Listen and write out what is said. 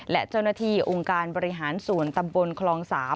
และเจ้าหน้าที่องค์การบริหารส่วนตำบลคลอง๓